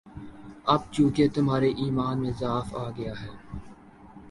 اب چونکہ تمہارے ایمان میں ضعف آ گیا ہے،